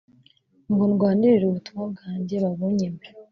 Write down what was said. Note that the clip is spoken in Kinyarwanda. ngo ndwanirire ubutumwa bwanjye babunyime